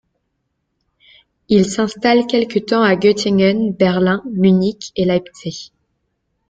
Il s'installe quelque temps à Göttingen, Berlin, Munich et Leipzig.